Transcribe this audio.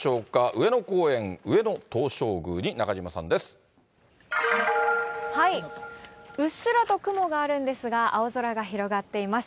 上野公園、うっすらと雲があるんですが、青空が広がっています。